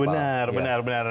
benar benar benar